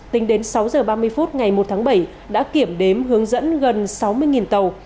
tính đến sáu giờ ba mươi phút ngày một tháng bảy đã kiểm đếm hướng dẫn gần sáu mươi tàu